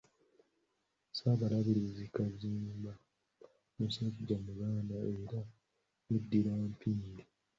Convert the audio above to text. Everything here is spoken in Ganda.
Ssaabalabirizi Kazimba musajja Muganda era yeddira Mpindi.